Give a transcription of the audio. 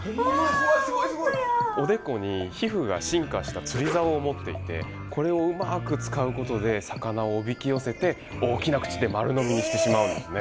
おでこに皮膚が進化した釣りざおを持っていてこれをうまく使うことで魚をおびき寄せて大きな口で丸飲みにしてしまうんですね。